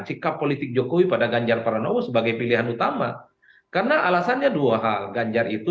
sikap politik jokowi pada ganjar paranowo sebagai pilihan utama karena alasannya dua hal ganjar itu